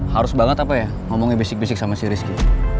harus banget apa ya ngomongin bisik bisik sama si rizky